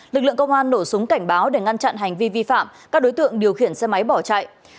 lực lượng công an nổ súng cảnh báo để ngăn chặn hành vi vi phạm các đối tượng điều khiển xe máy bỏ chạy